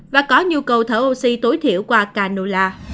và có nhu cầu thở oxy tối thiểu qua canola